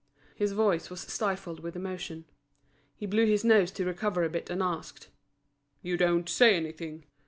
His voice was stifled with emotion. He blew his nose to recover a bit, and asked, "You don't say anything?"